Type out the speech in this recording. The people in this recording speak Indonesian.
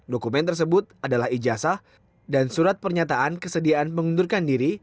dokumen tersebut adalah ijazah dan surat pernyataan kesediaan mengundurkan diri